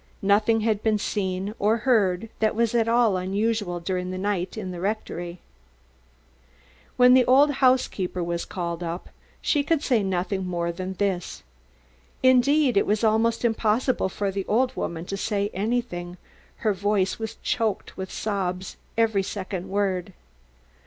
Nothing had been seen or heard that was at all unusual during the night in the rectory. When the old housekeeper was called up she could say nothing more than this. Indeed, it was almost impossible for the old woman to say anything, her voice choked with sobs at every second word.